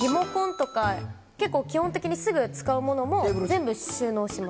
基本的にすぐ使うものも全部収納します。